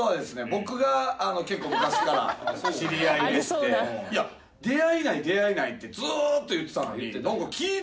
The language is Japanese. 僕が結構昔から知り合いでしていや出会いない出会いないってずーっと言ってたのになんか気ぃ